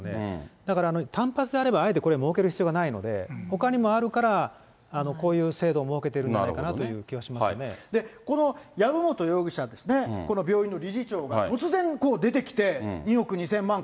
だから、単発であればあえてこれは設ける必要がないので、ほかにもあるからこういう制度を設けているんじゃないかなというこの籔本容疑者ですね、この病院の理事長が突然こう出てきて、２億２０００万円